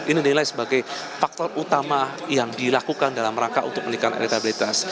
ini dinilai sebagai faktor utama yang dilakukan dalam rangka untuk meningkatkan elektabilitas